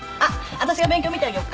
わたしが勉強見てあげよっか？